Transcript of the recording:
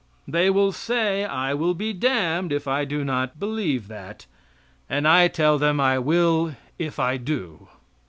They will say I will be damned if I do not believe that, and I tell them I will if I do.